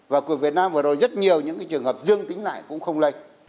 và của việt nam vừa rồi rất nhiều những trường hợp dương tính lại cũng không lây